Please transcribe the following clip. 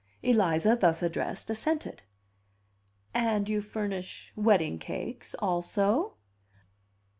Eliza, thus addressed, assented. "And you furnish wedding cakes also?"